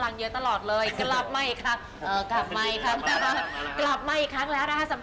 แล้วรอเวลาให้มันเดินจอดฝ่า